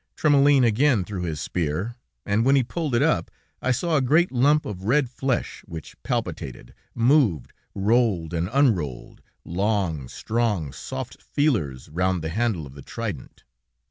Trémoulin again threw his spear, and when he pulled it up, I saw a great lump of red flesh which palpitated, moved, rolled and unrolled, long, strong, soft feelers round the handle of the trident.